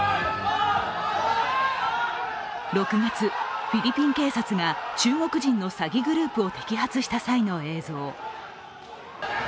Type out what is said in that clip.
６月、フィリピン警察が中国人の詐欺グループを摘発した際の映像。